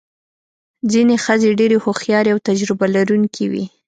ځینې ښځې ډېرې هوښیارې او تجربه لرونکې وې.